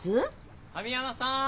・神山さん